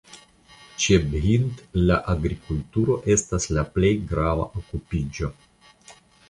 Ĉe Bhind la agrikulturo estas la plej grava okupiĝo.